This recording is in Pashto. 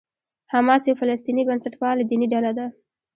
حماس یوه فلسطیني بنسټپاله دیني ډله ده.